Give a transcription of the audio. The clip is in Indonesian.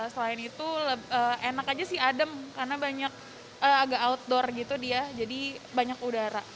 selain itu enak aja sih adem karena banyak agak outdoor gitu dia jadi banyak udara